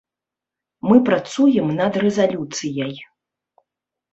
Мы працуем над рэзалюцый.